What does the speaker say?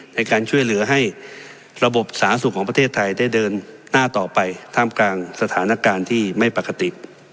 ในการช่วยเหลือให้ระบบสาธารณสุขของประเทศไทยได้เดินหน้าต่อไปท่ามกลางสถานการณ์ที่ไม่ปกติ